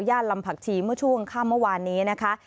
ลำผักชีเมื่อช่วงค่ำเมื่อวานนี้นะคะ